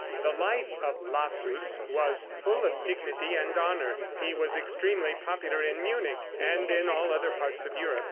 The life of Lassus was full of dignity and honor. He was extremely popular in Munich and in all other parts of Europe.